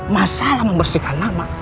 masalah membersihkan nama